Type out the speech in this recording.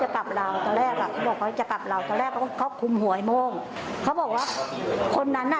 เขาบอกว่าคนนั้นน่ะ